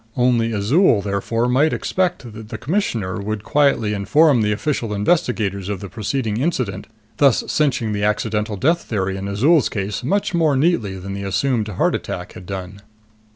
Only Azol therefore might expect that the Commissioner would quietly inform the official investigators of the preceding incident, thus cinching the accidental death theory in Azol's case much more neatly than the assumed heart attack had done.